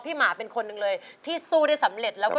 นักสู้ชีวิตแต่ละคนก็ฝ่าฟันและสู้กับเพลงนี้มากก็หลายรอบ